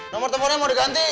nomor teleponnya mau diganti